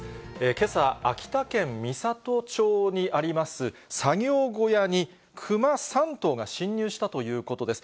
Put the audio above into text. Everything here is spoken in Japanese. けさ、秋田県美郷町にあります作業小屋に、クマ３頭が侵入したということです。